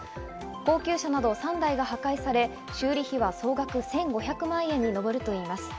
高級車など３台が破壊され、修理費は総額１５００万円に上るといいます。